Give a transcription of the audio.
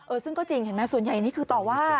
ซึ่งก็จริงเห็นไหมส่วนใหญ่นี่คือต่อว่า